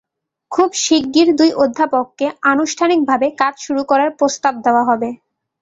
খুব শিগগির দুই অধ্যাপককে আনুষ্ঠানিকভাবে কাজ শুরু করার প্রস্তাব দেওয়া হবে।